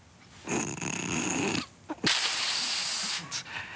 うん。